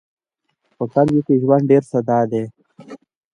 په کلیو کې ژوند ډېر ساده دی.